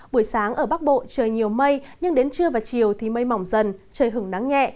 buổi sáng ở bắc bộ trời nhiều mây nhưng đến trưa và chiều thì mây mỏng dần trời hứng nắng nhẹ